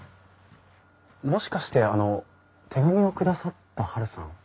もしかしてあの手紙を下さったはるさん？